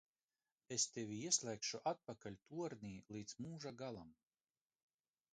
Es tevi ieslēgšu atpakal tornī līdz mūža galam!